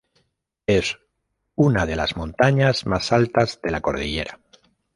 Es una de las montañas más altas de la cordillera.